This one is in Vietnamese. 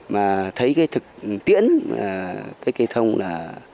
mà thấy cái thực tiễn cái cây thông là